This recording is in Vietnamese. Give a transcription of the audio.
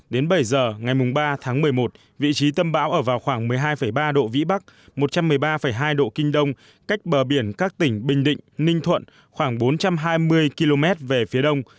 đến bảy giờ ngày ba tháng một mươi một vị trí tâm bão ở vào khoảng một mươi hai ba độ vĩ bắc một trăm một mươi ba hai độ kinh đông cách bờ biển các tỉnh bình định ninh thuận khoảng bốn trăm hai mươi km về phía đông